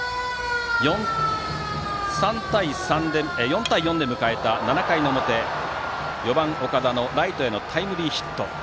４対４で迎えた７回の表４番、岡田のライトへのタイムリーヒット。